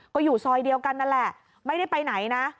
ก็อยู่ซอยเดียวกันนั่นแหละไม่ได้ไปไหนนะ